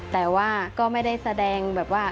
แต่ว่าก็ไม่ได้แสดงแบบว่า